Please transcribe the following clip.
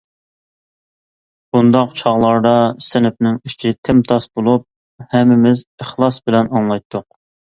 بۇنداق چاغلاردا سىنىپنىڭ ئىچى تىمتاس بولۇپ، ھەممىمىز ئىخلاس بىلەن ئاڭلايتتۇق.